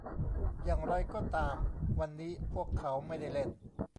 อย่างไรก็ตามวันนี้พวกเขาไม่ได้เล่น